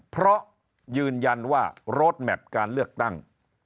เพราะยืนยันว่าโรดแมพการเลือกตั้ง